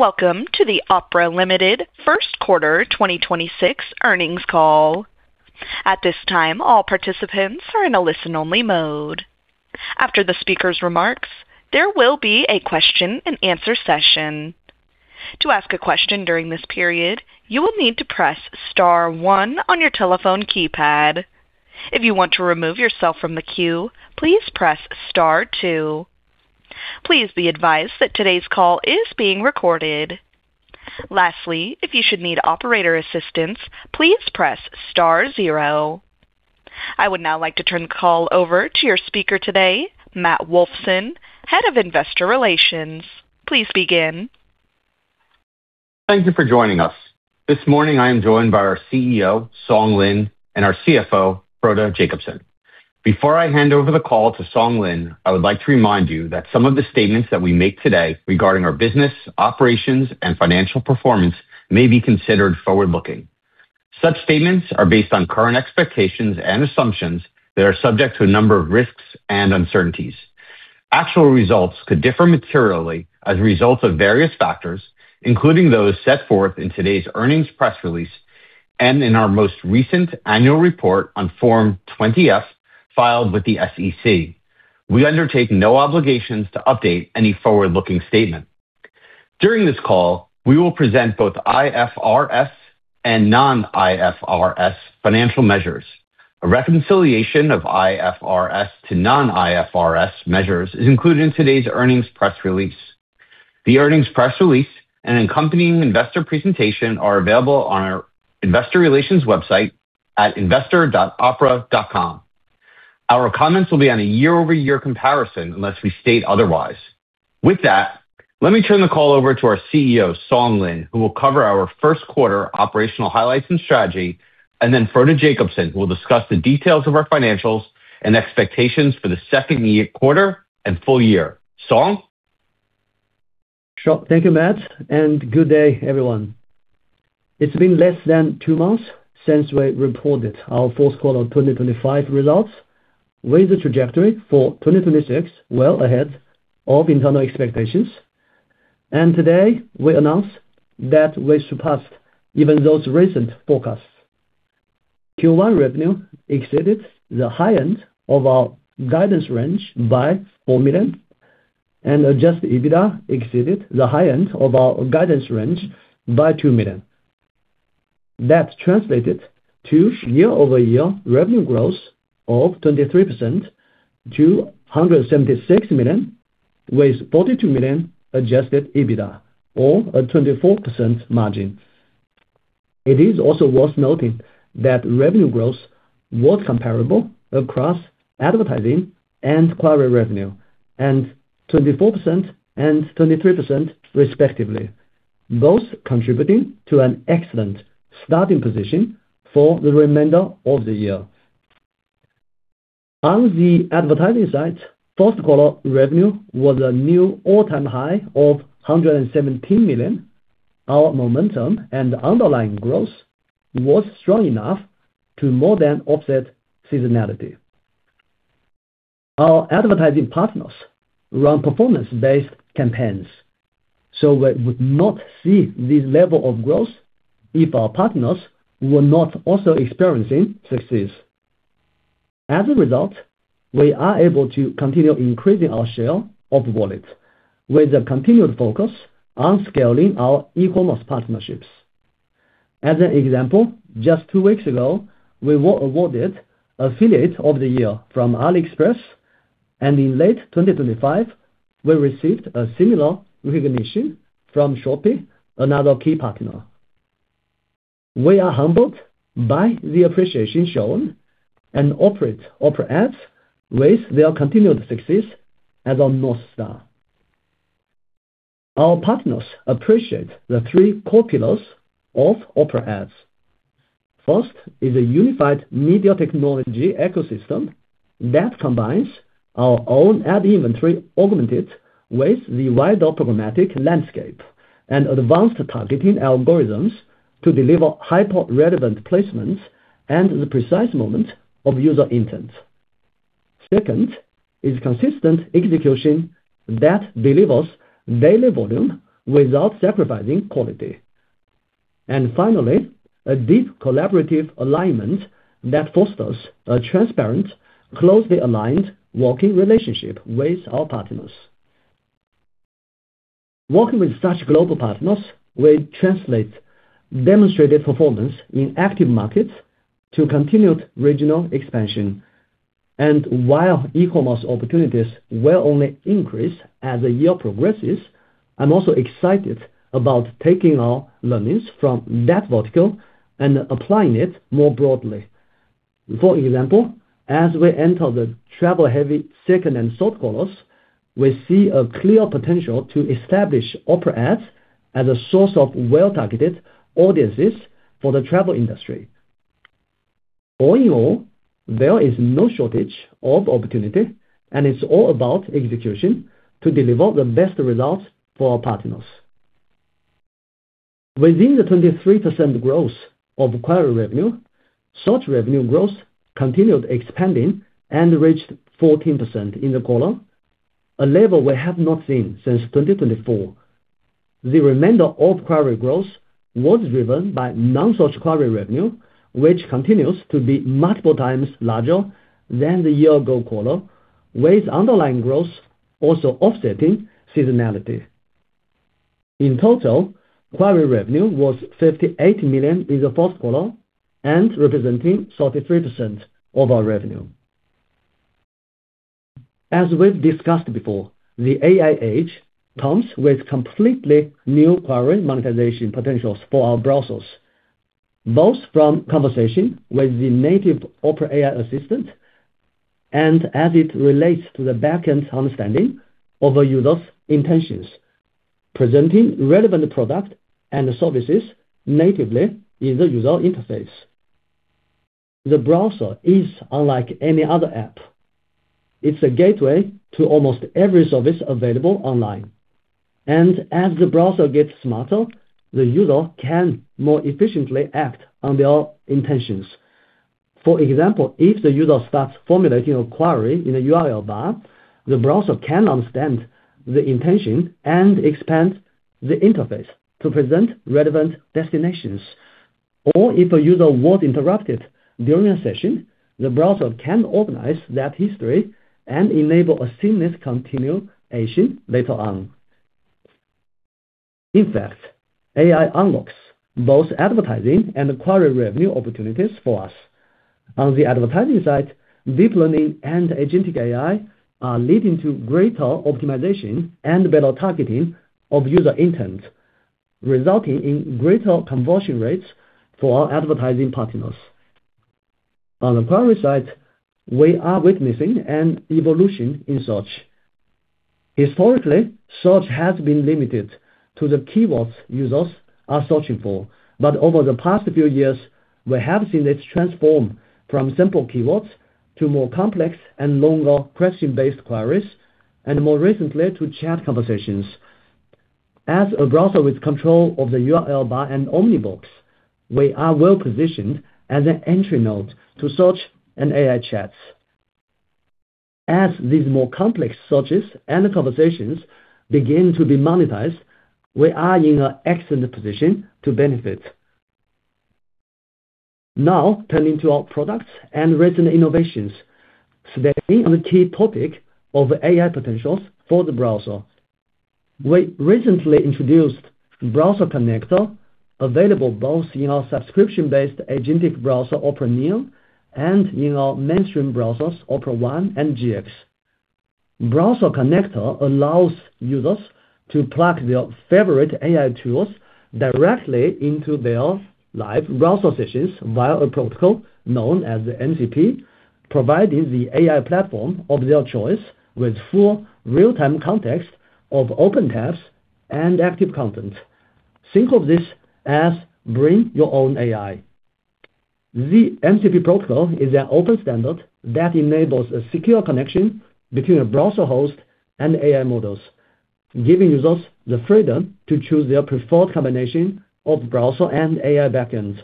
Welcome to the Opera Limited first quarter 2026 earnings call. At this time, all participants are in a listen-only mode, after the speaker's remark, there will be a question and answer session. To ask a question during this period, you would need to press star one on your telephone keypad. If you want to remove yourself from the queue, please press star two. Please be advised that today's call is being recorded. Lastly, if you should need operator's assistance, please press star zero. I would now like to turn the call over to your speaker today, Matt Wolfson, Head of Investor Relations. Please begin. Thank you for joining us. This morning, I am joined by our CEO, Song Lin, and our CFO, Frode Jacobsen. Before I hand over the call to Song Lin, I would like to remind you that some of the statements that we make today regarding our business, operations, and financial performance may be considered forward-looking. Such statements are based on current expectations and assumptions that are subject to a number of risks and uncertainties. Actual results could differ materially as a result of various factors, including those set forth in today's earnings press release and in our most recent annual report on Form 20-F filed with the SEC. We undertake no obligations to update any forward-looking statement. During this call, we will present both IFRS and non-IFRS financial measures. A reconciliation of IFRS to non-IFRS measures is included in today's earnings press release. The earnings press release and accompanying investor presentation are available on our investor relations website at investor.opera.com. Our comments will be on a year-over-year comparison unless we state otherwise. With that, let me turn the call over to our CEO, Song Lin, who will cover our first quarter operational highlights and strategy. Frode Jacobsen will discuss the details of our financials and expectations for the second quarter and full year. Song? Sure. Thank you, Matt, and good day, everyone. It's been less than two months since we reported our fourth quarter 2025 results with the trajectory for 2026 well ahead of internal expectations. Today, we announce that we surpassed even those recent forecasts. Q1 revenue exceeded the high end of our guidance range by $4 million, and adjusted EBITDA exceeded the high end of our guidance range by $2 million. That translated to year-over-year revenue growth of 23% to $176 million, with $42 million adjusted EBITDA or a 24% margin. It is also worth noting that revenue growth was comparable across advertising and query revenue, 24% and 23% respectively, both contributing to an excellent starting position for the remainder of the year. On the advertising side, first quarter revenue was a new all-time high of $117 million. Our momentum and underlying growth was strong enough to more than offset seasonality. Our advertising partners run performance-based campaigns. We would not see this level of growth if our partners were not also experiencing success. As a result, we are able to continue increasing our share of wallet with a continued focus on scaling our e-commerce partnerships. As an example, just two weeks ago, we were awarded Affiliate of the Year from AliExpress. In late 2025, we received a similar recognition from Shopee, another key partner. We are humbled by the appreciation shown. We operate Opera Ads with their continued success as our North Star. Our partners appreciate the three core pillars of Opera Ads. First is a unified media technology ecosystem that combines our own ad inventory augmented with the wider programmatic landscape and advanced targeting algorithms to deliver hyper relevant placements and the precise moment of user intent. Second is consistent execution that delivers daily volume without sacrificing quality. Finally, a deep collaborative alignment that fosters a transparent, closely aligned working relationship with our partners. Working with such global partners will translate demonstrated performance in active markets to continued regional expansion. While e-commerce opportunities will only increase as the year progresses, I'm also excited about taking our learnings from that vertical and applying it more broadly. For example, as we enter the travel-heavy second and third quarters, we see a clear potential to establish Opera Ads as a source of well-targeted audiences for the travel industry. All in all, there is no shortage of opportunity, and it's all about execution to deliver the best results for our partners. Within the 23% growth of query revenue, such revenue growth continued expanding and reached 14% in the quarter. A level we have not seen since 2024. The remainder of query growth was driven by non-search query revenue, which continues to be multiple times larger than the year ago quarter, with underlying growth also offsetting seasonality. In total, query revenue was $58 million in the first quarter and representing 33% of our revenue. As we've discussed before, the AI age comes with completely new querying monetization potentials for our browsers, both from conversation with the native Opera AI assistant and as it relates to the back-end understanding of a user's intentions, presenting relevant product and services natively in the user interface. The browser is unlike any other app. It's a gateway to almost every service available online. As the browser gets smarter, the user can more efficiently act on their intentions. For example, if the user starts formulating a query in a URL bar, the browser can understand the intention and expand the interface to present relevant destinations. If a user was interrupted during a session, the browser can organize that history and enable a seamless continuation later on. In fact, AI unlocks both advertising and query revenue opportunities for us. On the advertising side, deep learning and agentic AI are leading to greater optimization and better targeting of user intent, resulting in greater conversion rates for our advertising partners. On the query side, we are witnessing an evolution in search. Historically, search has been limited to the keywords users are searching for. Over the past few years, we have seen it transform from simple keywords to more complex and longer question-based queries, and more recently, to chat conversations. As a browser with control of the URL bar and omnibox, we are well-positioned as an entry node to search and AI chats. As these more complex searches and conversations begin to be monetized, we are in an excellent position to benefit. Turning to our products and recent innovations, staying on the key topic of AI potentials for the browser. We recently introduced Browser Connector, available both in our subscription-based agentic browser, Opera Neon, and in our mainstream browsers, Opera One and GX. Browser Connector allows users to plug their favorite AI tools directly into their live browser sessions via a protocol known as the MCP, providing the AI platform of their choice with full real-time context of open tabs and active content. Think of this as bring your own AI. The MCP protocol is an open standard that enables a secure connection between a browser host and AI models, giving users the freedom to choose their preferred combination of browser and AI backends.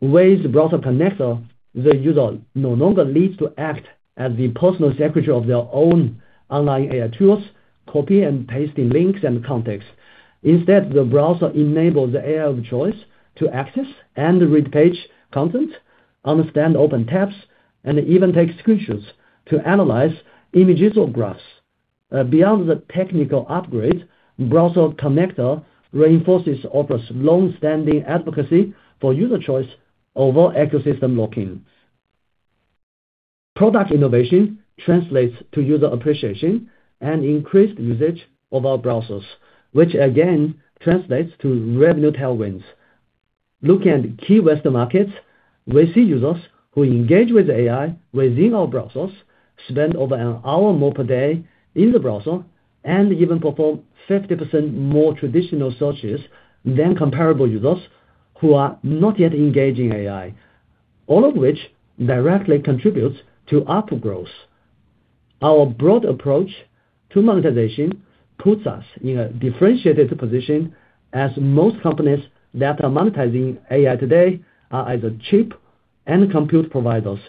With Browser Connector, the user no longer needs to act as the personal secretary of their own online AI tools, copy and pasting links and context. Instead, the browser enables the AI of choice to access and read page content, understand open tabs, and even take screenshots to analyze images or graphs. Beyond the technical upgrade, Browser Connector reinforces Opera's long-standing advocacy for user choice over ecosystem locking. Product innovation translates to user appreciation and increased usage of our browsers, which again translates to revenue tailwinds. Looking at key Western markets, we see users who engage with AI within our browsers spend over an hour more per day in the browser and even perform 50% more traditional searches than comparable users who are not yet engaging AI. All of which directly contributes to ARPU growth. Our broad approach to monetization puts us in a differentiated position as most companies that are monetizing AI today are either chip and compute providers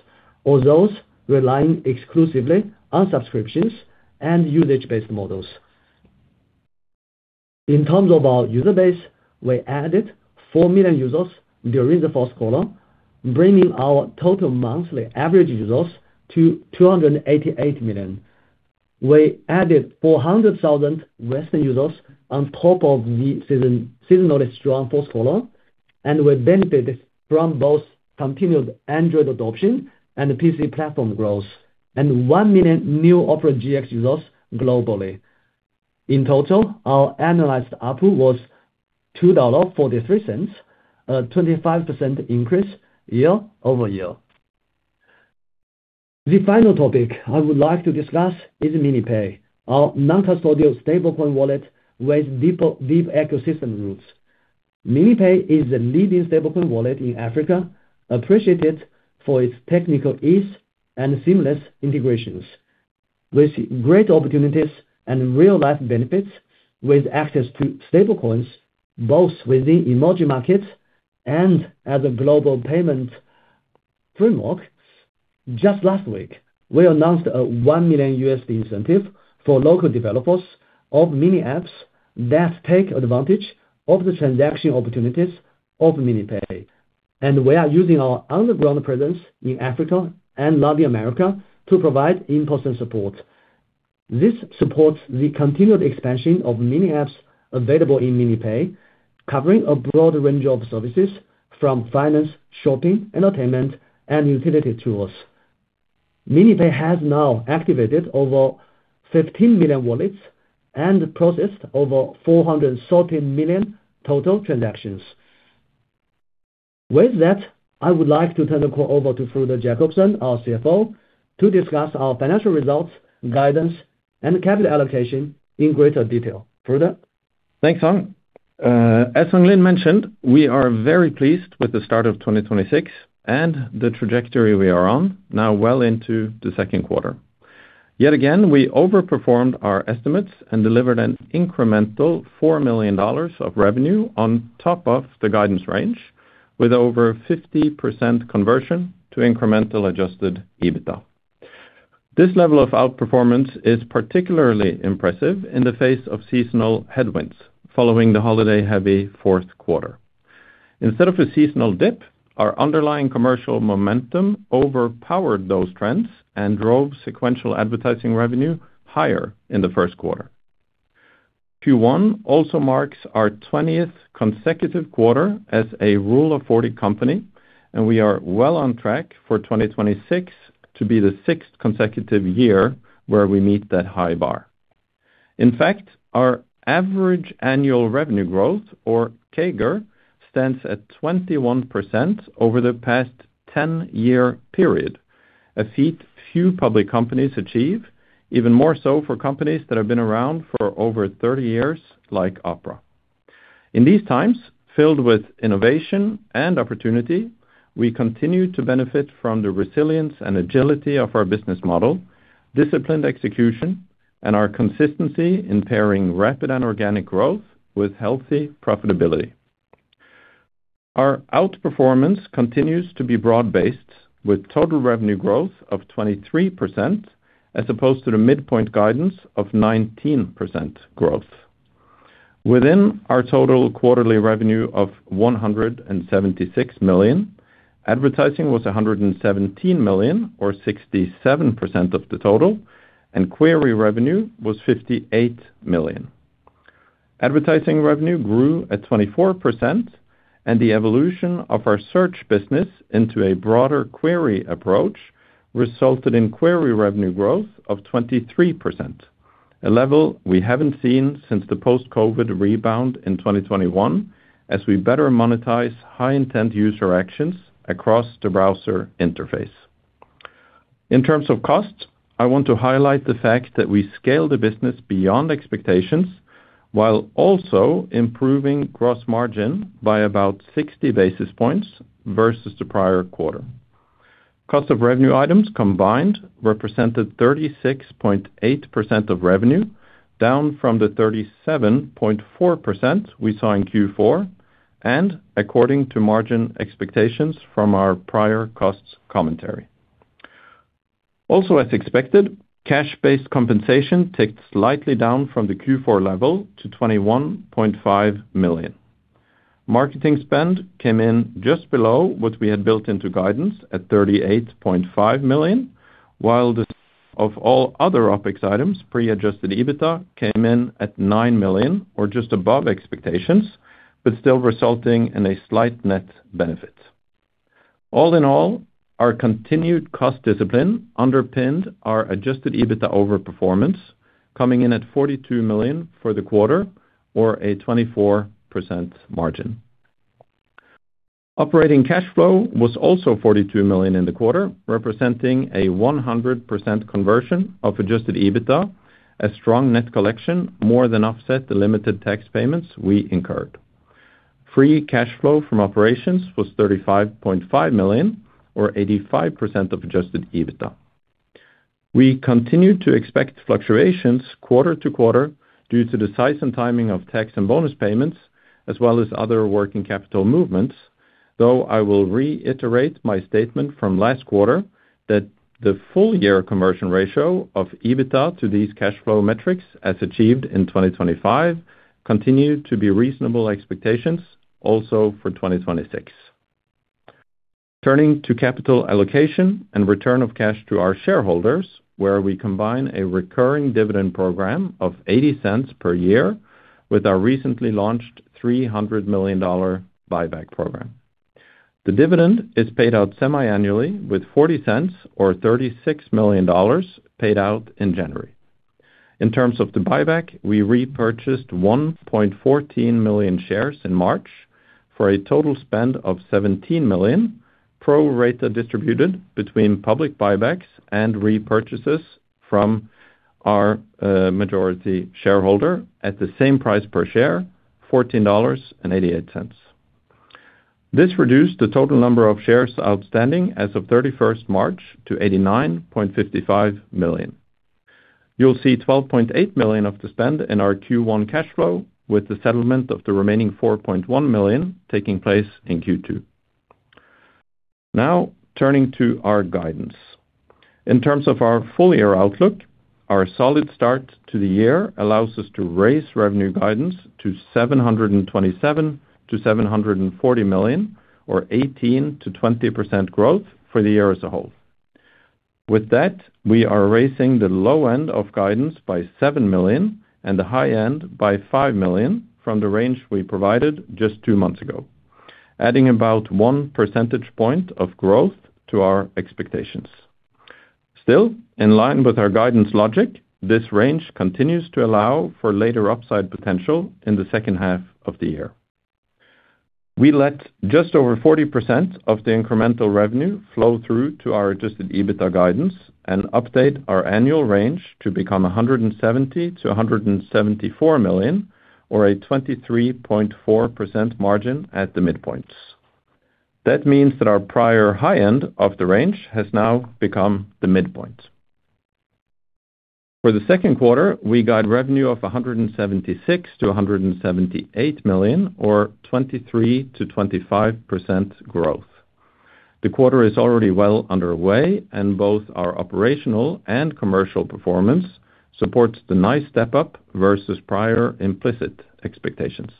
or those relying exclusively on subscriptions and usage-based models. In terms of our user base, we added 4 million users during the first quarter, bringing our total monthly average users to 288 million. We added 400,000 Western users on top of the seasonally strong first quarter, and we benefited from both continued Android adoption and PC platform growth, and one million new Opera GX users globally. In total, our annualized ARPU was $2.43, a 25% increase year-over-year. The final topic I would like to discuss is MiniPay, our non-custodial stablecoin wallet with deep ecosystem roots. MiniPay is the leading stablecoin wallet in Africa, appreciated for its technical ease and seamless integrations, with great opportunities and real-life benefits, with access to stablecoins, both within emerging markets and as a global payment framework. Just last week, we announced a $1 million incentive for local developers of Mini Apps that take advantage of the transaction opportunities of MiniPay. We are using our on-the-ground presence in Africa and Latin America to provide in-person support. This supports the continued expansion of Mini Apps available in MiniPay, covering a broad range of services from finance, shopping, entertainment, and utility tools. MiniPay has now activated over 15 million wallets and processed over 430 million total transactions. With that, I would like to turn the call over to Frode Jacobsen, our CFO, to discuss our financial results, guidance, and capital allocation in greater detail. Frode? Thanks, Song. As Song Lin mentioned, we are very pleased with the start of 2026 and the trajectory we are on now well into the second quarter. Yet again, we overperformed our estimates and delivered an incremental $4 million of revenue on top of the guidance range, with over 50% conversion to incremental adjusted EBITDA. This level of outperformance is particularly impressive in the face of seasonal headwinds following the holiday-heavy fourth quarter. Instead of a seasonal dip, our underlying commercial momentum overpowered those trends and drove sequential advertising revenue higher in the first quarter. Q1 also marks our 20th consecutive quarter as a Rule of 40 company, and we are well on track for 2026 to be the 6th consecutive year where we meet that high bar. In fact, our average annual revenue growth, or CAGR, stands at 21% over the past 10-year period, a feat few public companies achieve, even more so for companies that have been around for over 30 years, like Opera. In these times, filled with innovation and opportunity, we continue to benefit from the resilience and agility of our business model, disciplined execution, and our consistency in pairing rapid and organic growth with healthy profitability. Our outperformance continues to be broad-based with total revenue growth of 23%, as opposed to the midpoint guidance of 19% growth. Within our total quarterly revenue of $176 million, advertising was $117 million or 67% of the total, and query revenue was $58 million. Advertising revenue grew at 24%, the evolution of our search business into a broader query approach resulted in query revenue growth of 23%, a level we haven't seen since the post-COVID rebound in 2021, as we better monetize high intent user actions across the browser interface. In terms of costs, I want to highlight the fact that we scale the business beyond expectations while also improving gross margin by about 60 basis points versus the prior quarter. Cost of revenue items combined represented 36.8% of revenue, down from the 37.4% we saw in Q4, according to margin expectations from our prior costs commentary. As expected, cash-based compensation ticked slightly down from the Q4 level to $21.5 million. Marketing spend came in just below what we had built into guidance at $38.5 million, while the [total spend] of all other OpEx items, pre-adjusted EBITDA came in at $9 million or just above expectations, still resulting in a slight net benefit. All in all, our continued cost discipline underpinned our adjusted EBITDA overperformance, coming in at $42 million for the quarter or a 24% margin. Operating cash flow was also $42 million in the quarter, representing a 100% conversion of adjusted EBITDA. A strong net collection more than offset the limited tax payments we incurred. Free cash flow from operations was $35.5 million or 85% of adjusted EBITDA. We continue to expect fluctuations quarter-to-quarter due to the size and timing of tax and bonus payments, as well as other working capital movements. Though I will reiterate my statement from last quarter that the full year conversion ratio of EBITDA to these cash flow metrics, as achieved in 2025, continue to be reasonable expectations also for 2026. Turning to capital allocation and return of cash to our shareholders, where we combine a recurring dividend program of $0.80 per year with our recently launched $300 million buyback program. The dividend is paid out semiannually with $0.40 or $36 million paid out in January. In terms of the buyback, we repurchased 1.14 million shares in March for a total spend of $17 million, pro rata distributed between public buybacks and repurchases from our majority shareholder at the same price per share, $14.88. This reduced the total number of shares outstanding as of 31st March to 89.55 million. You'll see $12.8 million of the spend in our Q1 cash flow, with the settlement of the remaining $4.1 million taking place in Q2. Turning to our guidance. In terms of our full year outlook, our solid start to the year allows us to raise revenue guidance to $727 million-$740 million, or 18%-20% growth for the year as a whole. With that, we are raising the low end of guidance by $7 million and the high end by $5 million from the range we provided just two months ago, adding about 1 percentage point of growth to our expectations. In line with our guidance logic, this range continues to allow for later upside potential in the second half of the year. We let just over 40% of the incremental revenue flow through to our adjusted EBITDA guidance and update our annual range to become $170 million-$174 million or a 23.4% margin at the midpoints. That means that our prior high end of the range has now become the midpoint. For the second quarter, we guide revenue of $176 million-$178 million or 23%-25% growth. The quarter is already well underway, and both our operational and commercial performance supports the nice step-up versus prior implicit expectations.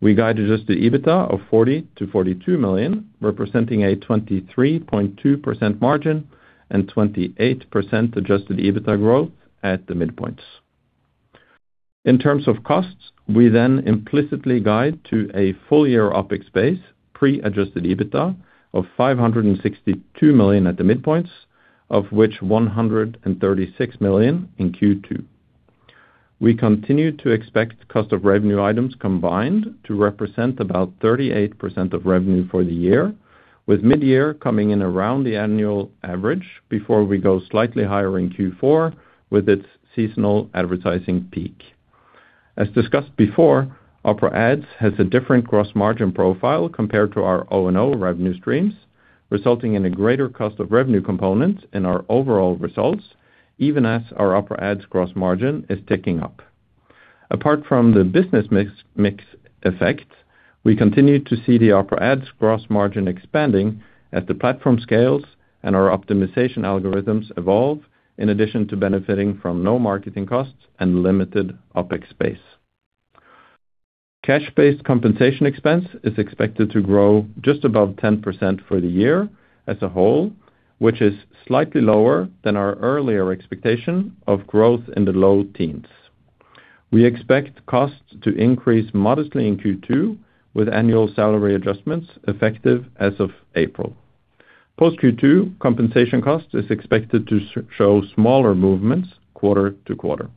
We guide adjusted EBITDA of $40 million-$42 million, representing a 23.2% margin and 28% adjusted EBITDA growth at the midpoints. In terms of costs, we then implicitly guide to a full-year OpEx base, pre-adjusted EBITDA of $562 million at the midpoints, of which $136 million in Q2. We continue to expect cost of revenue items combined to represent about 38% of revenue for the year, with mid-year coming in around the annual average before we go slightly higher in Q4 with its seasonal advertising peak. As discussed before, Opera Ads has a different gross margin profile compared to our O&O revenue streams, resulting in a greater cost of revenue component in our overall results, even as our Opera Ads gross margin is ticking up. Apart from the business mix effect, we continue to see the Opera Ads gross margin expanding as the platform scales and our optimization algorithms evolve, in addition to benefiting from low marketing costs and limited OpEx base. Cash-based compensation expense is expected to grow just above 10% for the year as a whole, which is slightly lower than our earlier expectation of growth in the low teens. We expect costs to increase modestly in Q2 with annual salary adjustments effective as of April. Post Q2, compensation cost is expected to show smaller movements quarter-to-quarter.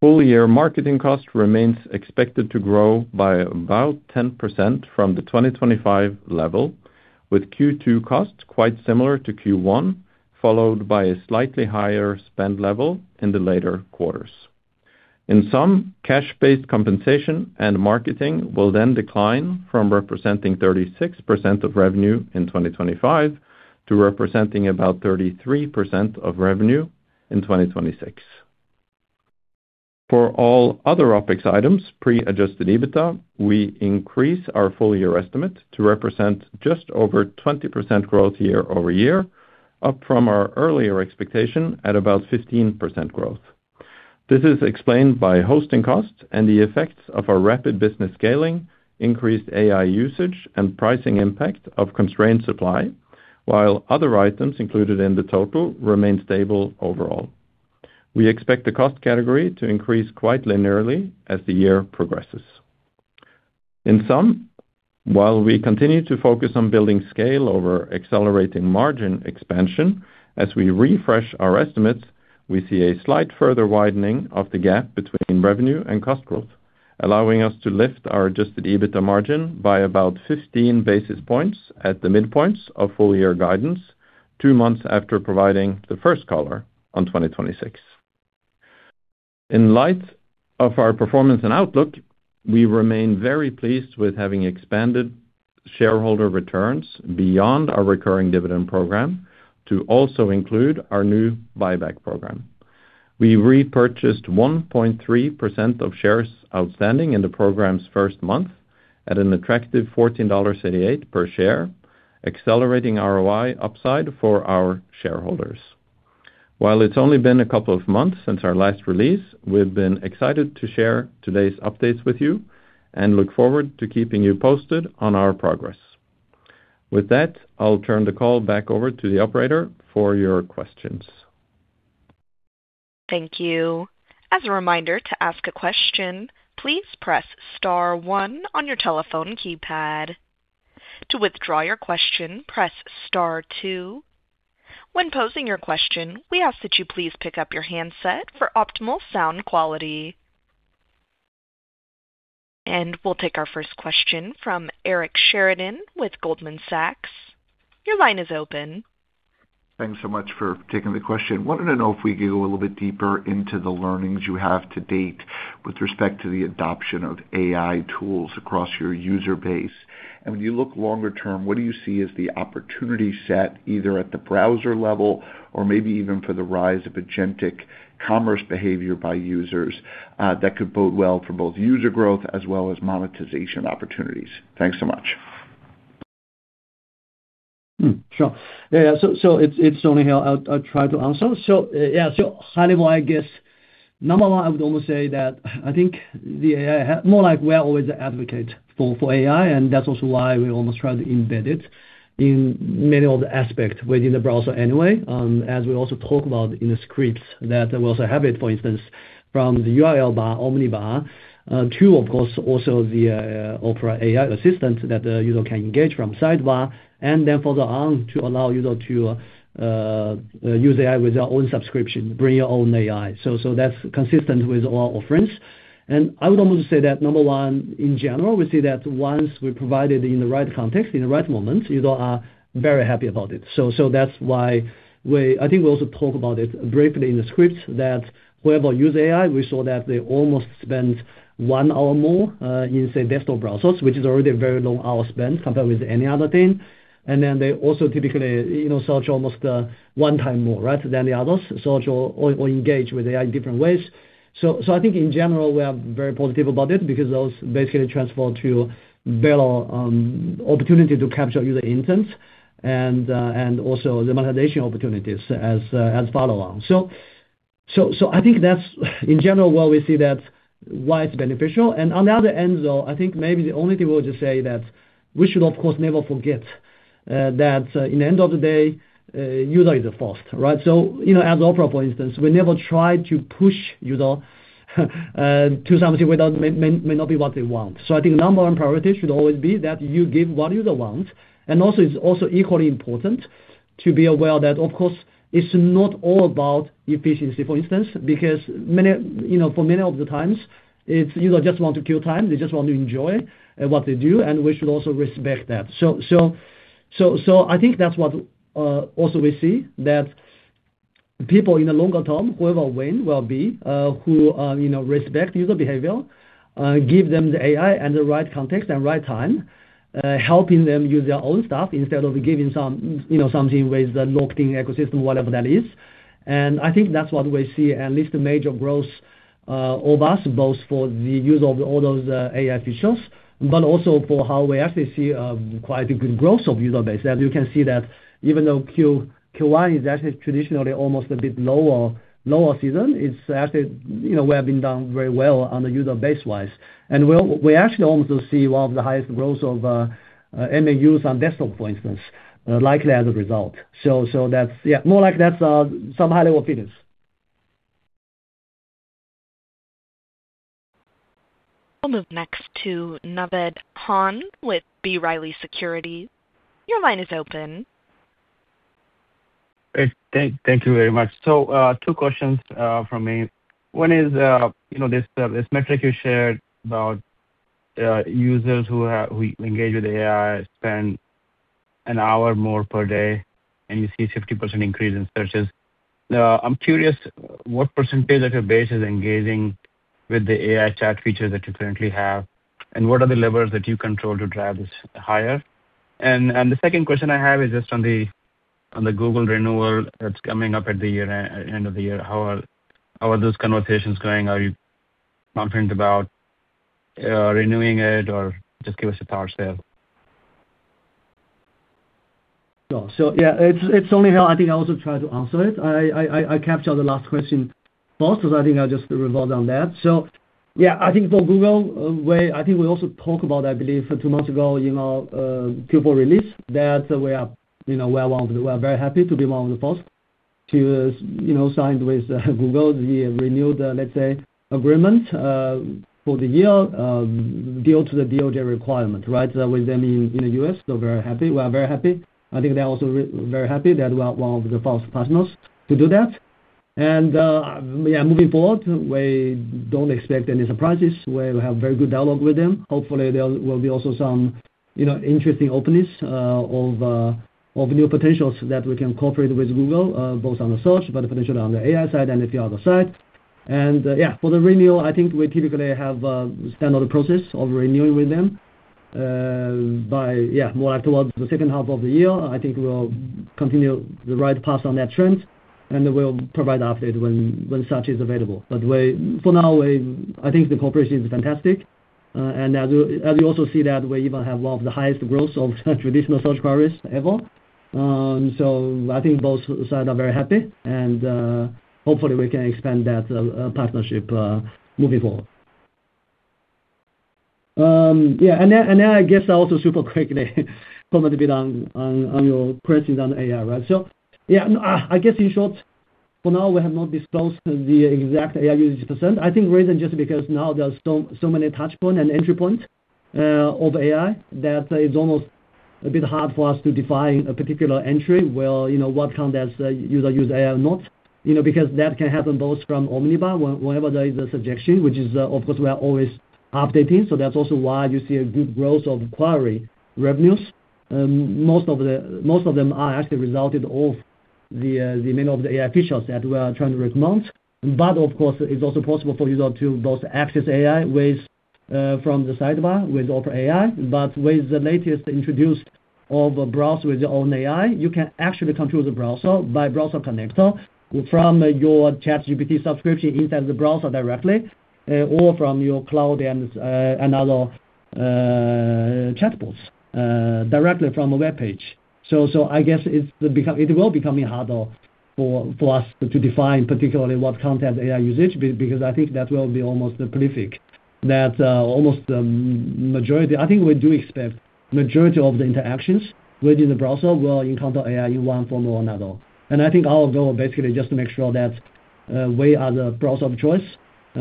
Full-year marketing cost remains expected to grow by about 10% from the 2025 level, with Q2 costs quite similar to Q1, followed by a slightly higher spend level in the later quarters. Cash-based compensation and marketing will then decline from representing 36% of revenue in 2025 to representing about 33% of revenue in 2026. For all other OpEx items, pre-adjusted EBITDA, we increase our full year estimate to represent just over 20% growth year-over-year, up from our earlier expectation at about 15% growth. This is explained by hosting costs and the effects of our rapid business scaling, increased AI usage, and pricing impact of constrained supply, while other items included in the total remain stable overall. We expect the cost category to increase quite linearly as the year progresses. In sum, while we continue to focus on building scale over accelerating margin expansion, as we refresh our estimates, we see a slight further widening of the gap between revenue and cost growth, allowing us to lift our adjusted EBITDA margin by about 15 basis points at the midpoints of full-year guidance two months after providing the first color on 2026. In light of our performance and outlook, we remain very pleased with having expanded shareholder returns beyond our recurring dividend program to also include our new buyback program. We repurchased 1.3% of shares outstanding in the program's first month at an attractive $14.88 per share, accelerating ROI upside for our shareholders. While it's only been a couple of months since our last release, we've been excited to share today's updates with you and look forward to keeping you posted on our progress. With that, I'll turn the call back over to the operator for your questions. Thank you. As a reminder to ask a question, please press star one on your telephone keypad. To withdraw your question, press star two. When posing your question, we ask that you please pick up your handset for optimal sound quality. We'll take our first question from Eric Sheridan with Goldman Sachs. Your line is open. Thanks so much for taking the question. Wanted to know if we could go a little bit deeper into the learnings you have to date with respect to the adoption of AI tools across your user base. When you look longer term, what do you see as the opportunity set, either at the browser level or maybe even for the rise of agentic commerce behavior by users that could bode well for both user growth as well as monetization opportunities? Thanks so much. Sure. Yeah, yeah. It's Song Lin here. I'll try to answer. Yeah, high-level I guess, number one, I would almost say that I think the AI, more like we are always the advocate for AI, and that's also why we almost try to embed it in many of the aspects within the browser anyway. As we also talk about in the scripts that we also have it, for instance, from the URL bar, omnibar, to of course also the Opera AI assistant that the user can engage from sidebar. Further on to allow user to use AI with their own subscription, bring your own AI. That's consistent with our offerings. I would almost say that number one, in general, we see that once we provide it in the right context, in the right moment, users are very happy about it. That's why I think we also talk about it briefly in the scripts, that whoever use AI, we saw that they almost spend one hour more in say, desktop browsers, which is already a very long hour spend compared with any other thing. They also typically, you know, search almost one time more, right, than the others. Search or engage with AI in different ways. I think in general we are very positive about it because those basically transfer to better opportunity to capture user intents and also the monetization opportunities as follow on. I think that's in general why we see that's why it's beneficial. On the other end though, I think maybe the only thing we'll just say that we should of course never forget, that in the end of the day, user is the first, right? You know, as Opera, for instance, we never try to push user to something without may not be what they want. I think number one priority should always be that you give what user want. Also, it's also equally important to be aware that of course it's not all about efficiency, for instance, because many, you know, for many of the times it's user just want to kill time. They just want to enjoy what they do, and we should also respect that. I think that's what also we see that people in the longer term, whoever win will be who, you know, respect user behavior, give them the AI and the right context and right time, helping them use their own stuff instead of giving some, you know, something with the locked-in ecosystem, whatever that is. I think that's what we see at least a major growth of us, both for the use of all those AI features, but also for how we actually see quite a good growth of user base. As you can see that even though Q1 is actually traditionally almost a bit lower season, it's actually, you know, we have been doing very well on the user base wise. We're actually almost see one of the highest growth of MAUs on desktop for instance, likely as a result. That's, yeah, more like that's some high-level feelings. We'll move next to Naved Khan with B. Riley Securities. Your line is open. Great. Thank you very much. Two questions from me. One is, you know, this metric you shared about users who engage with AI spend an hour more per day, and you see 50% increase in searches. I'm curious what percentage of your base is engaging with the AI chat feature that you currently have, and what are the levers that you control to drive this higher? The second question I have is just on the Google renewal that's coming up at the end of the year. How are those conversations going? Are you confident about renewing it or just give us a thought there. Yeah, it's Song Lin here. I think I also try to answer it. I capture the last question also. I think I'll just revolve on that. Yeah, I think for Google, I think we also talk about, I believe two months ago, you know, Q4 release, that we are, you know, well along. We are very happy to be one of the first to, you know, sign with Google. We renewed the, let's say, agreement for the year, due to the DOJ requirement, right? With them in the U.S. Very happy. We are very happy. I think they're also very happy that we are one of the first partners to do that. Yeah, moving forward, we don't expect any surprises. We have very good dialogue with them. Hopefully, there will be also some, you know, interesting openings of new potentials that we can cooperate with Google, both on the search, but potentially on the AI side and a few other side. For the renewal, I think we typically have standard process of renewing with them by more like towards the second half of the year. I think we'll continue the right path on that trend, and we'll provide update when such is available. For now, I think the cooperation is fantastic. As you also see that we even have one of the highest growth of traditional search queries ever. I think both sides are very happy and hopefully we can expand that partnership moving forward. I guess also super quickly comment a bit on your questions on AI, right. I guess in short, for now we have not disclosed the exact AI usage percent. I think reason just because now there are so many touch point and entry point of AI, that it's almost a bit hard for us to define a particular entry, where, you know, what count as a user use AI or not. You know, because that can happen both from omnibar whenever there is a suggestion, which is of course we are always updating. That's also why you see a good growth of query revenues. Most of them are actually resulted of the many of the AI features that we are trying to promote. Of course, it's also possible for user to both access AI with from the sidebar with Opera AI. With the latest introduced of browse with your own AI, you can actually control the browser by Browser Connector from your ChatGPT subscription inside the browser directly, or from your Claude and another chatbots directly from a webpage. So I guess it's become, it will becoming harder for us to define particularly what content AI usage because I think that will be almost prolific. That, almost the majority, I think we do expect majority of the interactions within the browser will encounter AI in one form or another. I think our goal basically just to make sure that we are the browser of choice, we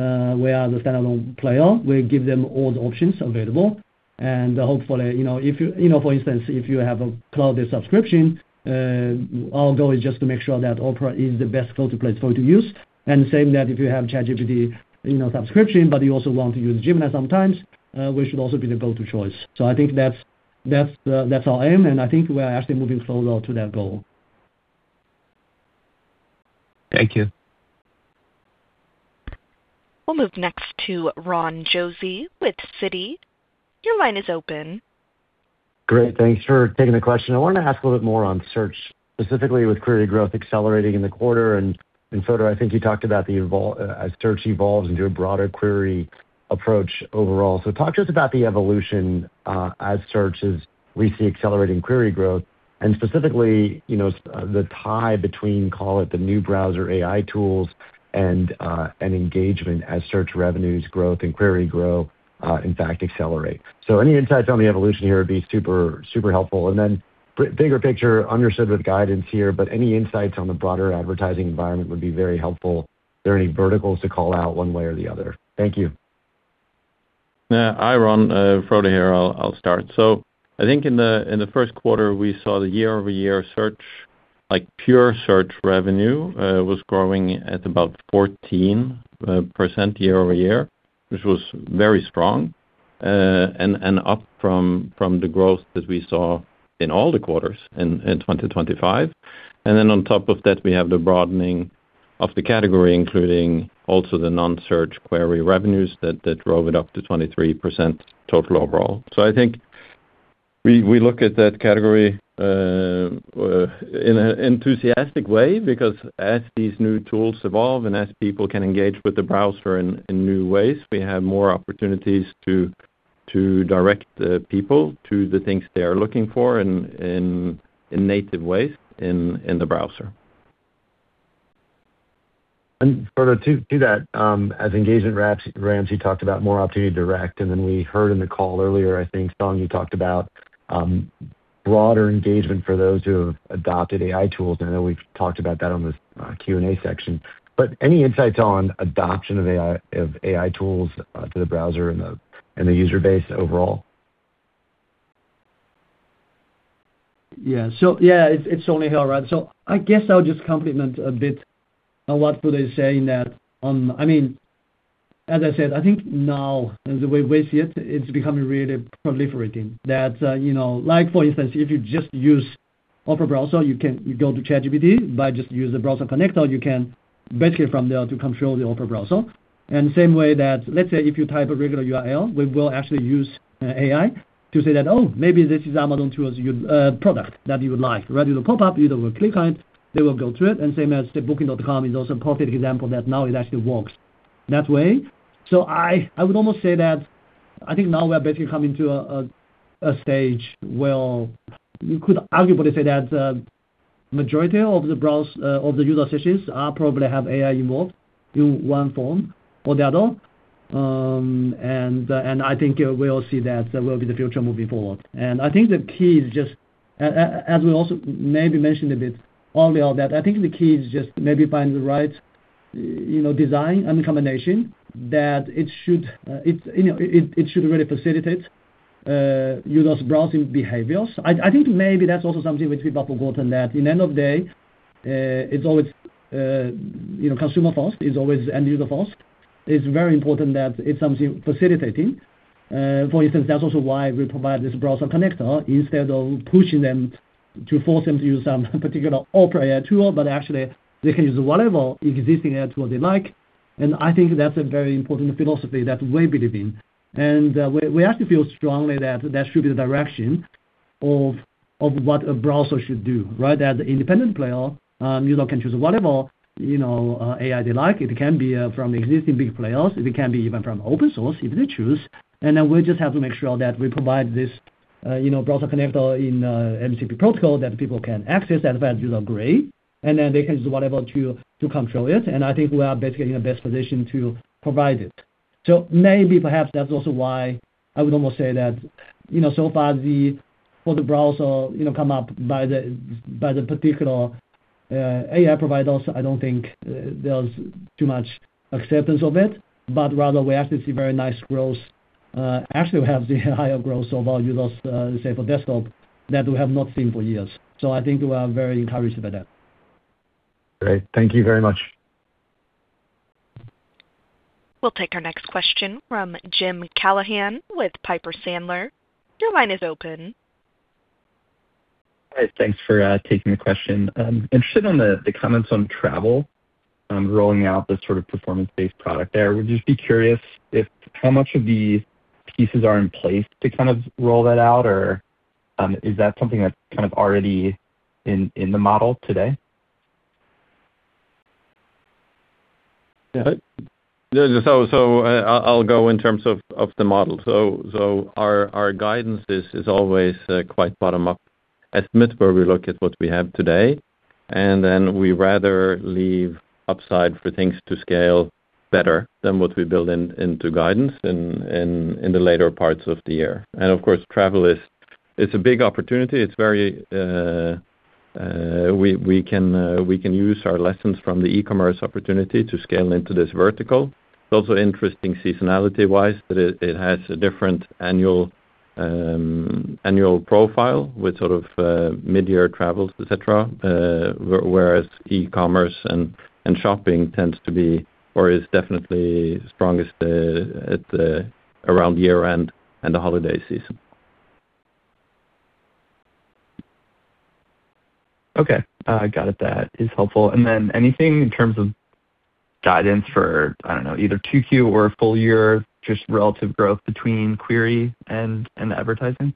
are the standalone player. We give them all the options available, and hopefully, you know, if you, for instance, if you have a Claude subscription, our goal is just to make sure that Opera is the best go-to place for you to use. Same that if you have ChatGPT, you know, subscription, but you also want to use Gemini sometimes, we should also be the go-to choice. I think that's the, that's our aim, and I think we are actually moving closer to that goal. Thank you. We'll move next to Ron Josey with Citi. Your line is open. Great. Thanks for taking the question. I wanted to ask a little bit more on search, specifically with query growth accelerating in the quarter. Frode, I think you talked about the evolution as search evolves into a broader query approach overall. Talk to us about the evolution as search is, we see accelerating query growth and specifically, you know, the tie between, call it, the new browser AI tools and engagement as search revenues growth and query grow, in fact accelerate. Any insights on the evolution here would be super helpful. Then bigger picture, understood with guidance here, any insights on the broader advertising environment would be very helpful. Are there any verticals to call out one way or the other? Thank you. Yeah. Hi, Ron. Frode here. I'll start. I think in the first quarter, we saw the year-over-year search, like pure search revenue, was growing at about 14% year-over-year, which was very strong. Up from the growth that we saw in all the quarters in 2025. On top of that, we have the broadening of the category, including also the non-search query revenues that drove it up to 23% total overall. I think we look at that category in an enthusiastic way because as these new tools evolve and as people can engage with the browser in new ways, we have more opportunities to direct people to the things they are looking for in native ways in the browser. Frode, to that, as engagement ramps, you talked about more opportunity to direct, and then we heard in the call earlier, I think, Song Lin, you talked about broader engagement for those who have adopted AI tools. I know we've talked about that on this Q&A section. Any insights on adoption of AI, of AI tools to the browser and the user base overall? Yeah. Yeah, it's Song Lin here, Ron. I guess I'll just complement a bit on what Frode is saying that I mean, as I said, I think now as the way we see it's becoming really proliferating that, you know, like for instance, if you just use Opera browser, you can go to ChatGPT, by just using the Browser Connector, you can basically from there to control the Opera browser. Same way that let's say if you type a regular URL, we will actually use AI to say that, "Oh, maybe this is Amazon tools you product that you would like." Right? With a pop-up, you either will click on it, they will go to it, and same as Booking.com is also a positive example that now it actually works that way. I would almost say that I think now we're basically coming to a stage where you could arguably say that majority of the user sessions are probably have AI involved in one form or the other. I think we'll see that that will be the future moving forward. I think the key is just as we also maybe mentioned a bit earlier that I think the key is just maybe finding the right, you know, design and combination that it should really facilitate user's browsing behaviors. I think maybe that's also something which people forgotten that in the end of day, it's always, you know, consumer first. It's always end user first. It's very important that it's something facilitating. For instance, that's also why we provide this Browser Connector instead of pushing them to force them to use some particular Opera AI tool, but actually they can use whatever existing AI tool they like. I think that's a very important philosophy that we believe in. We actually feel strongly that that should be the direction of what a browser should do, right? As an independent player, user can choose whatever, you know, AI they like. It can be from existing big players. It can be even from open source if they choose. We just have to make sure that we provide this, you know, Browser Connector in a MCP protocol that people can access as well as user grade, and then they can use whatever to control it. I think we are basically in the best position to provide it. Maybe perhaps that's also why I would almost say that, you know, so far for the browser, you know, come up by the, by the particular AI providers, I don't think there's too much acceptance of it, but rather we actually see very nice growth. Actually we have the higher growth of our users, say for desktop that we have not seen for years. I think we are very encouraged by that. Great. Thank you very much. We'll take our next question from Jim Callahan with Piper Sandler. Your line is open. Hi. Thanks for taking the question. Interested on the comments on travel, rolling out the sort of performance-based product there. Would you just be curious if how much of the pieces are in place to kind of roll that out? Is that something that's kind of already in the model today? Yeah. I'll go in terms of the model. Our guidance is always quite bottom-up estimate, where we look at what we have today, and then we rather leave upside for things to scale better than what we build into guidance in the later parts of the year. Of course, travel it's a big opportunity. It's very. We can use our lessons from the e-commerce opportunity to scale into this vertical. It's also interesting seasonality-wise, but it has a different annual profile with sort of mid-year travels, et cetera, whereas e-commerce and shopping tends to be or is definitely strongest at the around year-end and the holiday season. Okay. got it. That is helpful. Anything in terms of guidance for, I don't know, either 2Q or a full year, just relative growth between query and advertising?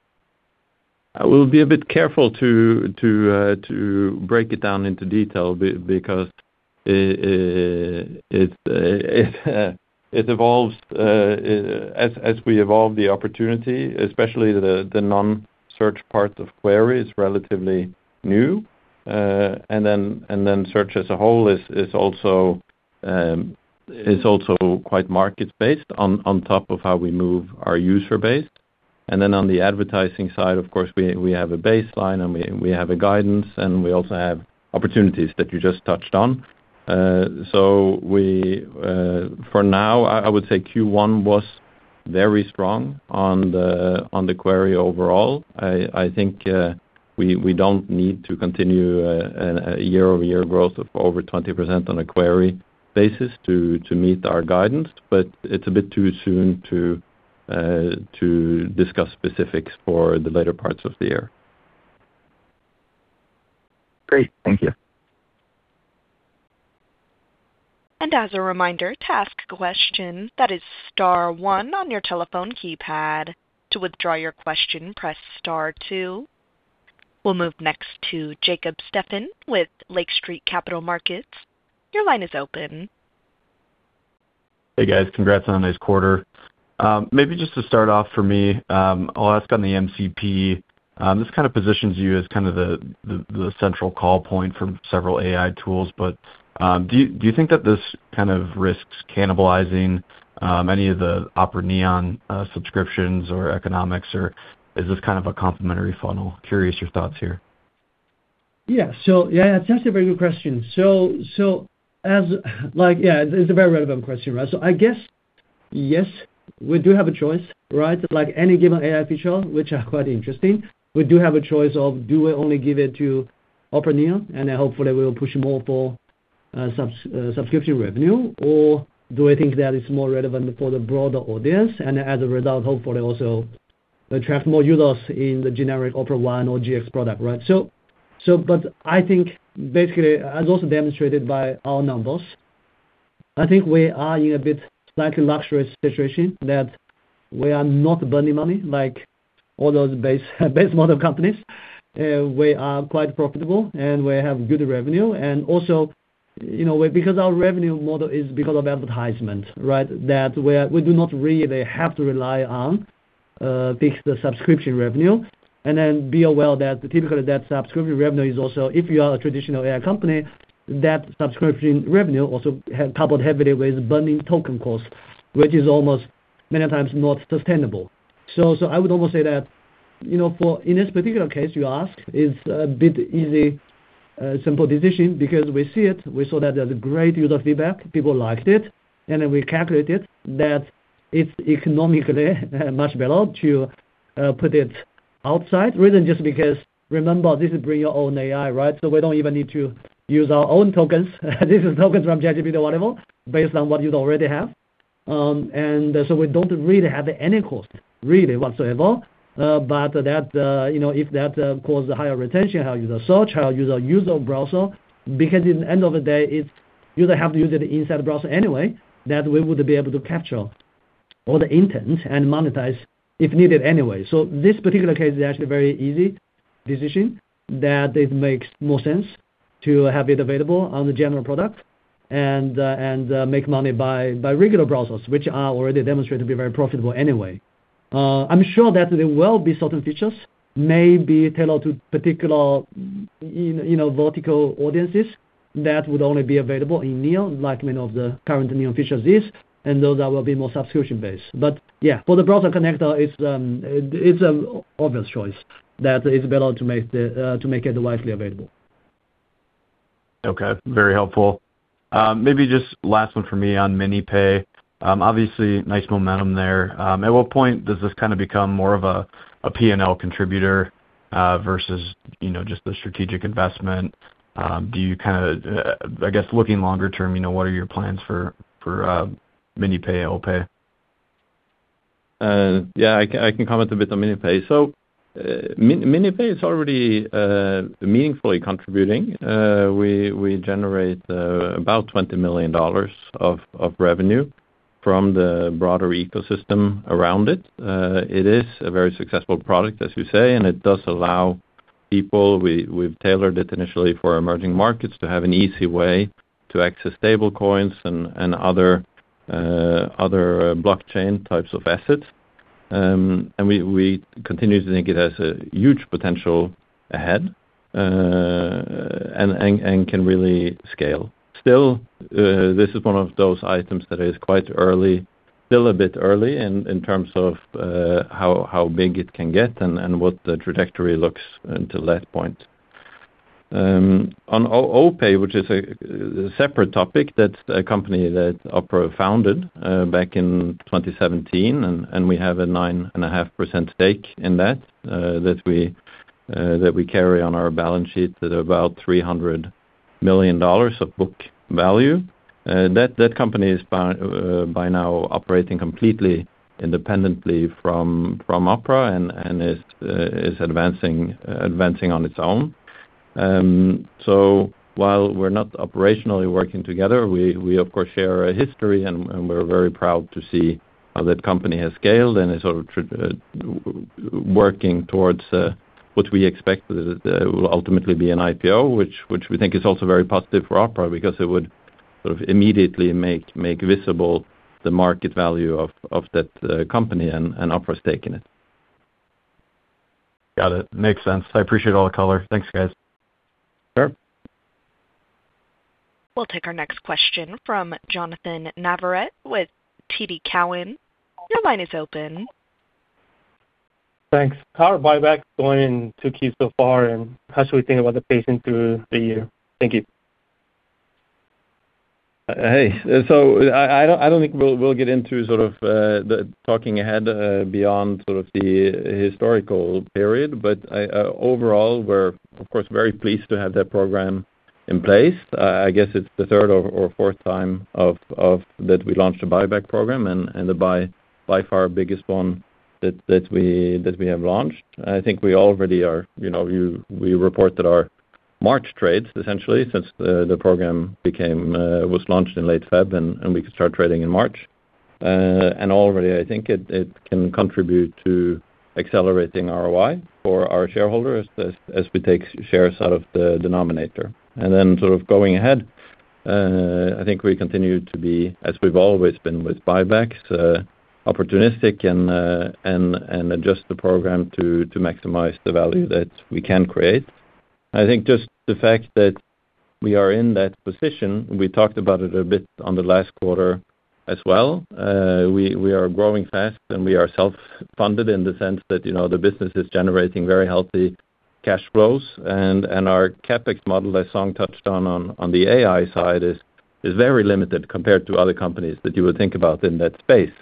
I will be a bit careful to break it down into detail because it evolves as we evolve the opportunity, especially the non-search part of query is relatively new. Search as a whole is also quite market-based on top of how we move our user base. On the advertising side, of course, we have a baseline, and we have a guidance, and we also have opportunities that you just touched on. We, for now, I would say Q1 was very strong on the query overall. I think we don't need to continue a year-over-year growth of over 20% on a query basis to meet our guidance, but it's a bit too soon to discuss specifics for the later parts of the year. Great. Thank you. As a reminder, to ask question, that is star one on your telephone keypad. To withdraw your question, press star two. We'll move next to Jacob Stephan with Lake Street Capital Markets. Your line is open. Hey, guys. Congrats on a nice quarter. Maybe just to start off for me, I'll ask on the MCP. This kind of positions you as kind of the central call point for several AI tools. Do you think that this kind of risks cannibalizing any of the Opera Neon subscriptions or economics, or is this kind of a complimentary funnel? Curious your thoughts here? Yeah, that's a very good question. It's a very relevant question, right? I guess, yes, we do have a choice, right? Like, any given AI feature, which are quite interesting, we do have a choice of do we only give it to Opera Neon, and then hopefully we'll push more for subscription revenue. Do I think that it's more relevant for the broader audience, and as a result, hopefully also attract more users in the generic Opera One or GX product, right? I think basically, as also demonstrated by our numbers, I think we are in a bit slightly luxurious situation that we are not burning money like all those base model companies. We are quite profitable, and we have good revenue. You know, because our revenue model is because of advertisement, right, we do not really have to rely on fixed subscription revenue. Be aware that typically that subscription revenue is also, if you are a traditional AI company, that subscription revenue also coupled heavily with burning token costs, which is almost many times not sustainable. I would almost say that, you know, for in this particular case you asked is a bit easy, simple decision because we see it, we saw that there's a great user feedback, people liked it. We calculated that it's economically much better to put it outside rather than just because remember, this is bring your own AI, right? We don't even need to use our own tokens, this is tokens from ChatGPT or whatever based on what you already have. We don't really have any cost really whatsoever. You know, if that cause higher retention, how user search, how user use of browser, in the end of the day, it's user have to use it inside the browser anyway, that we would be able to capture all the intent and monetize if needed anyway. This particular case is actually very easy decision that it makes more sense to have it available on the general product and make money by regular browsers, which are already demonstrated to be very profitable anyway. I'm sure that there will be certain features may be tailored to particular, you know, you know, vertical audiences that would only be available in Neon, like many of the current Neon features is, and those that will be more subscription-based. Yeah, for the Browser Connector, it's an obvious choice that it's better to make the, to make it widely available. Okay. Very helpful. Maybe just last one for me on MiniPay. Obviously nice momentum there. At what point does this kind of become more of a P&L contributor versus, you know, just the strategic investment? Do you kind of, I guess looking longer term, you know, what are your plans for MiniPay, OPay? Yeah. I can comment a bit on MiniPay. MiniPay is already meaningfully contributing. We generate about $20 million of revenue from the broader ecosystem around it. It is a very successful product, as you say, and it does allow people, we've tailored it initially for emerging markets to have an easy way to access stable coins and other blockchain types of assets. We continue to think it has a huge potential ahead and can really scale. Still, this is one of those items that is quite early, still a bit early in terms of how big it can get and what the trajectory looks until that point. On OPay, which is a separate topic. That's a company that Opera founded back in 2017, and we have a 9.5% stake in that that we carry on our balance sheet at about $300 million of book value. That company is by now operating completely independently from Opera and is advancing on its own. While we're not operationally working together, we of course share a history and we're very proud to see how that company has scaled and is sort of working towards what we expect that will ultimately be an IPO, which we think is also very positive for Opera because it would sort of immediately make visible the market value of that company and Opera's stake in it. Got it. Makes sense. I appreciate all the color. Thanks, guys. Sure. We'll take our next question from Jonnathan Navarrete with TD Cowen. Your line is open. Thanks. How are buybacks going in 2Q so far, and how should we think about the pace into the year? Thank you. I don't think we'll get into sort of the talking ahead beyond sort of the historical period. Overall, we're of course, very pleased to have that program in place. I guess it's the third or fourth time of that we launched a buyback program and by far our biggest one that we have launched. I think we already are, you know, you, we reported our March trades essentially since the program became was launched in late February and we could start trading in March. Already I think it can contribute to accelerating ROI for our shareholders as we take shares out of the denominator. Then sort of going ahead, I think we continue to be, as we've always been with buybacks, opportunistic and adjust the program to maximize the value that we can create. I think just the fact that we are in that position, we talked about it a bit on the last quarter as well. We are growing fast, and we are self-funded in the sense that, you know, the business is generating very healthy cash flows and our CapEx model that Song touched on the AI side is very limited compared to other companies that you would think about in that space.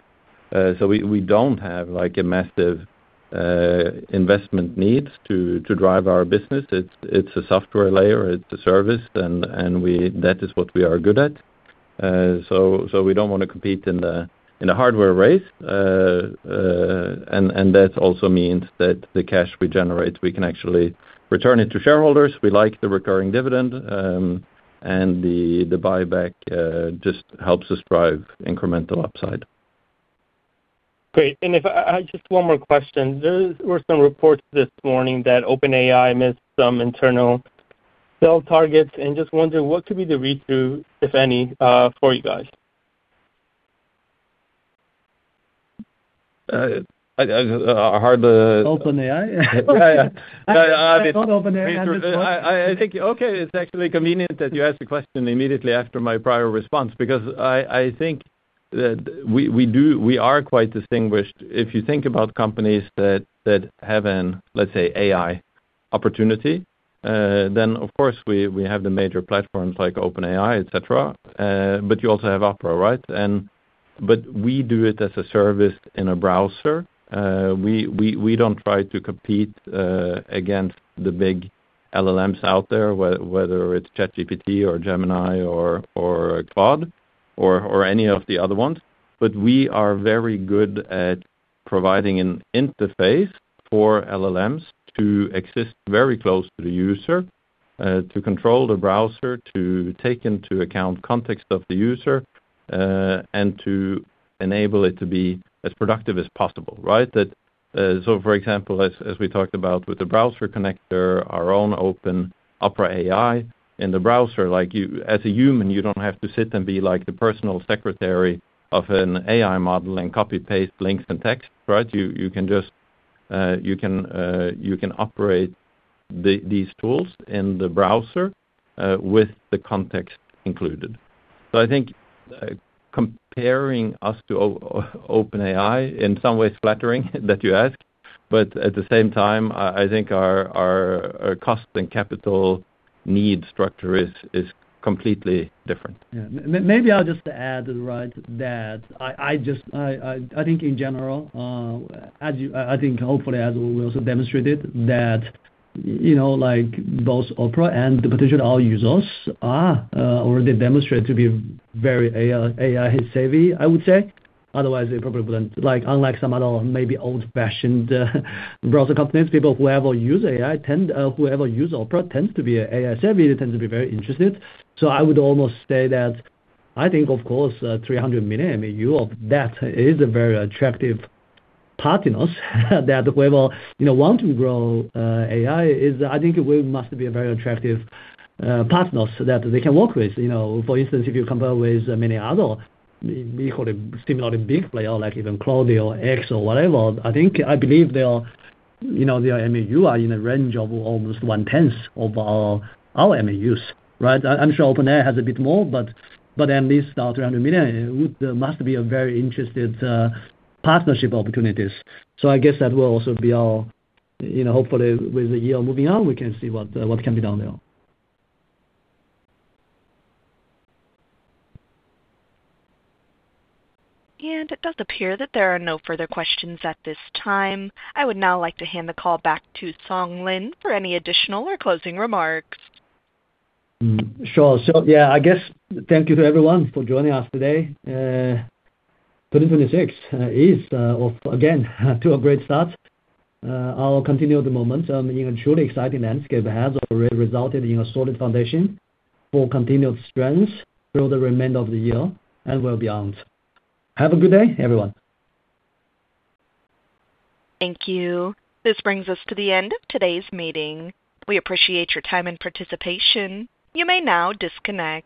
We don't have like a massive investment needs to drive our business. It's a software layer, it's a service and that is what we are good at. We don't wanna compete in the hardware race. That also means that the cash we generate, we can actually return it to shareholders. We like the recurring dividend, and the buyback just helps us drive incremental upside. Great. If I just one more question. There were some reports this morning that OpenAI missed some internal sales targets, and just wondering what could be the read-through, if any, for you guys? I hardly. OpenAI? Yeah, yeah. I thought OpenAI had this one. I think, okay, it's actually convenient that you ask the question immediately after my prior response because I think that we are quite distinguished if you think about companies that have an, let's say, AI opportunity, then of course we have the major platforms like OpenAI, et cetera. You also have Opera, right? We do it as a service in a browser. We don't try to compete against the big LLMs out there, whether it's ChatGPT or Gemini or Claude or any of the other ones. We are very good at providing an interface for LLMs to exist very close to the user, to control the browser, to take into account context of the user, and to enable it to be as productive as possible, right? That, so for example, as we talked about with the Browser Connector, our own Opera AI in the browser, like you as a human, you don't have to sit and be like the personal secretary of an AI model and copy-paste links and text, right? You can just, you can operate these tools in the browser, with the context included. I think, comparing us to OpenAI in some ways flattering that you ask. At the same time, I think our cost and capital need structure is completely different. Yeah. Maybe I'll just add, right, that I just I think in general, as you I think hopefully as we also demonstrated that, you know, like, both Opera and the potential all users are already demonstrated to be very AI savvy, I would say. Otherwise they probably wouldn't like, unlike some other maybe old-fashioned browser companies, people whoever use AI tend, whoever use Opera tends to be AI savvy, they tend to be very interested. I would almost say that I think of course, 300 million MAU of that is a very attractive partners that whoever, you know, want to grow AI is I think we must be a very attractive partners that they can work with. You know, for instance, if you compare with many other we call them similarly big player, like even Claude or X or whatever, I think I believe they are, you know, their MAU are in a range of almost 1/10 of our MAUs. Right? I'm sure OpenAI has a bit more, but at least our 300 million would must be a very interested partnership opportunities. I guess that will also be our, you know, hopefully with the year moving on, we can see what can be done there. It does appear that there are no further questions at this time. I would now like to hand the call back to Song Lin for any additional or closing remarks. Sure. Yeah. I guess thank you to everyone for joining us today. 2026 is off again to a great start. I'll continue at the moment. You know, truly exciting landscape has already resulted in a solid foundation for continued strength through the remainder of the year and well beyond. Have a good day, everyone. Thank you. This brings us to the end of today's meeting. We appreciate your time and participation. You may now disconnect.